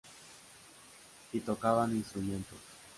Y tocaban instrumentos.